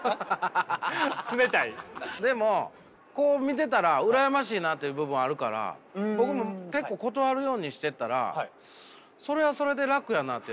でもこう見てたら羨ましいなっていう部分もあるから僕も結構断るようにしてたらそれはそれで楽やなと思って。